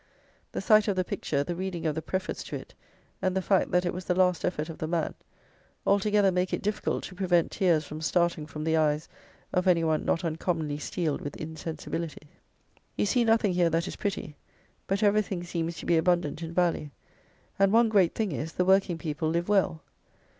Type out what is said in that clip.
The sight of the picture, the reading of the preface to it, and the fact that it was the last effort of the man; altogether make it difficult to prevent tears from starting from the eyes of any one not uncommonly steeled with insensibility. You see nothing here that is pretty; but everything seems to be abundant in value; and one great thing is, the working people live well.